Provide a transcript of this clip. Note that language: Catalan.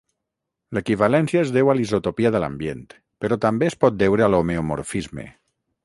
L'equivalència es deu a l'isotòpia de l'ambient, però també es pot deure a l'homeomorfisme.